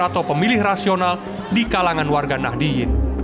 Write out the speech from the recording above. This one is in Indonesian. atau pemilih rasional di kalangan warga nahdiyin